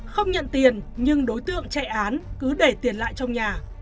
không nhận tiền nhưng đối tượng chạy án cứ để tiền lại trong nhà